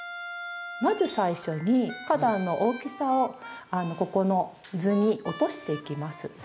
まず最初に花壇の大きさをここの図に落としていきます。